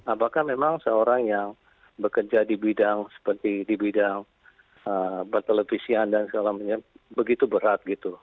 apakah memang seorang yang bekerja di bidang seperti di bidang bertelevisian dan segala macam begitu berat gitu